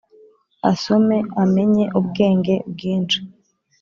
asome amenye ubwenge bwinshi